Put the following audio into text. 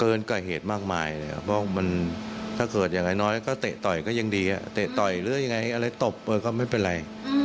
เกินกว่าเหตุมากมายเลยเพราะมันถ้าเกิดอย่างน้อยก็เตะต่อยก็ยังดีเตะต่อยหรือยังไงอะไรตบก็ไม่เป็นไร